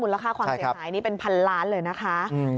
ราคาความเสียหายนี่เป็นพันล้านเลยนะคะ